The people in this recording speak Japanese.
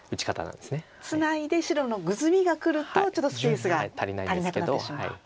ツナいで白のグズミがくるとちょっとスペースが足りなくなってしまう。